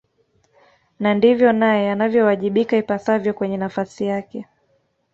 na ndivyo naye anavyowajibika ipasavyo kwenye nafasi yake